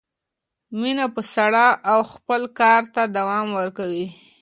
مینه مه سړوه او خپل کار ته دوام ورکړه.